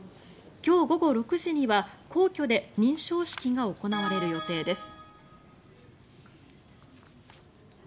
今日午後６時には皇居で認証式が行われる予定です。